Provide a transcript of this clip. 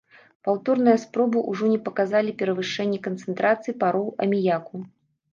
Паўторныя спробы ўжо не паказалі перавышэння канцэнтрацыі пароў аміяку.